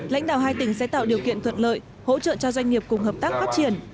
lãnh đạo hai tỉnh sẽ tạo điều kiện thuận lợi hỗ trợ cho doanh nghiệp cùng hợp tác phát triển